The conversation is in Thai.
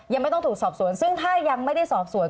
ยังไม่ต้องถูกสอบสวนซึ่งถ้ายังไม่ได้สอบสวน